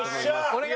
お願い！